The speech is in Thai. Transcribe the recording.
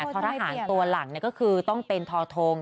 ทหารตัวหลังก็คือต้องเป็นทอทง